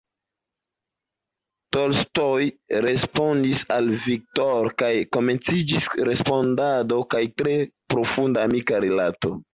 Tolstoj respondis al Victor kaj komenciĝis korespondado kaj tre profunda amika rilato.